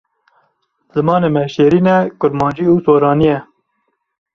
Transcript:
Zimanê me şêrîn e kurmancî û soranî ye.